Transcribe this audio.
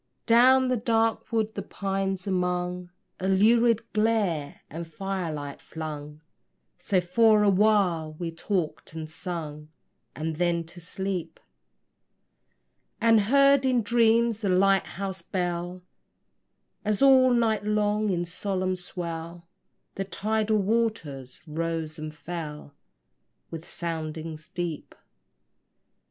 Down the dark wood, the pines among, A lurid glare the firelight flung; So for a while we talked and sung, And then to sleep; And heard in dreams the light house bell, As all night long in solemn swell The tidal waters rose and fell With soundings deep.